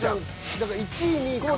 だから１位２位確定。